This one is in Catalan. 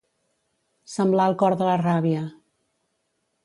Semblar el cor de la ràbia.